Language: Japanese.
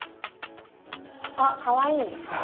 あっかわいいです。